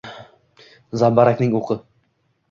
zambarakning_oqi